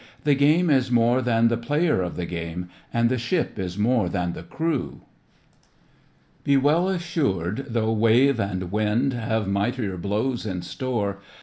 The game is more than the player of the game. And the ship is more than the crew I Be well assured, though wave and vnnd Have mightier blows in store.